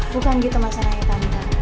bukan gitu mas rai tante